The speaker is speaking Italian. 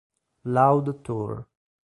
Loud Tour